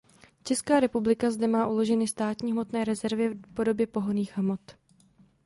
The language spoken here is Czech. Česká republika zde má uloženy státní hmotné rezervy v podobě pohonných hmot.